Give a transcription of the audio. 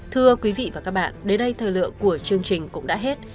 thưa quý vị và các bạn đến đây thời lượng của chương trình cũng đã hết